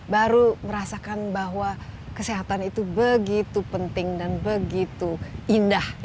baru merasakan bahwa kesehatan itu begitu penting dan begitu indah